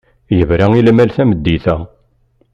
Yebra i lmal tameddit-a.